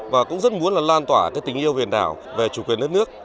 và cũng rất muốn là lan tỏa tình yêu biển đảo về chủ quyền đất nước